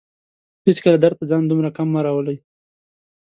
هيڅکله درد ته ځان دومره کم مه راولئ